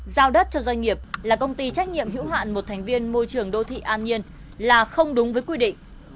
giao đất cho doanh nghiệp là công ty trách nhiệm hữu hạn một thành viên môi trường đô thị an nhiên là không đúng với quy định